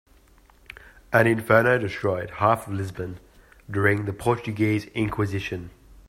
An inferno destroyed half of Lisbon during the Portuguese inquisition.